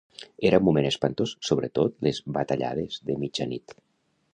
Era un moment espantós, sobretot les batallades de mitjanit.